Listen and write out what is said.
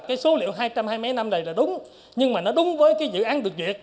cái số liệu hai trăm hai mươi mấy năm này là đúng nhưng mà nó đúng với cái dự án được duyệt